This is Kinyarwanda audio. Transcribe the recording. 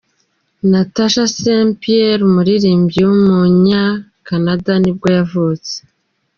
Natasha St-Pier, umuririmbyikazi w’umunya-Canada nibwo yavutse.